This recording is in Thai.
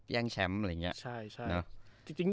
แย่งแชมป์อะไรอย่างนี้